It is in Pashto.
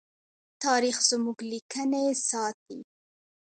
تاریخ زموږ لیکنې ساتي.